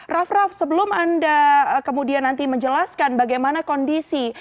raff raff sebelum anda kemudian nanti menjelaskan bagaimana kondisi